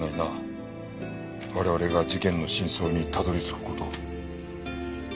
我々が事件の真相にたどり着く事を。